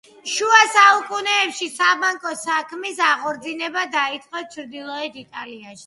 შუა საუკუნეებში საბანკო საქმის აღორძინება დაიწყო ჩრდილოეთ იტალიაში.